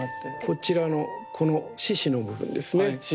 こちらのこの獅子の部分ですね。